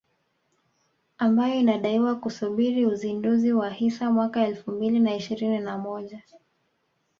ambayo inadaiwa kusubiri uzinduzi wa hisa mwaka elfu mbili na ishirini na moja